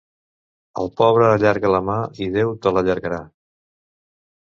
Al pobre allarga la mà i Déu te l'allargarà.